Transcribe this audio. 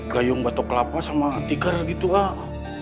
gayung batuk kelapa sama tikar gitu ah